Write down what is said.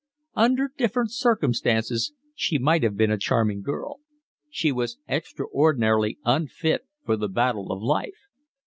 Under different circumstances she might have been a charming girl. She was extraordinarily unfit for the battle of life.